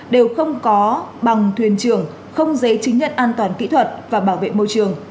đều không có bằng thuyền trường không giấy chứng nhận an toàn kỹ thuật và bảo vệ môi trường